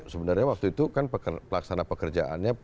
sebenarnya waktu itu kan pelaksana pekerjaannya